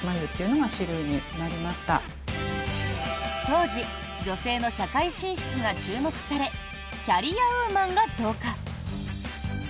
当時女性の社会進出が注目されキャリアウーマンが増加。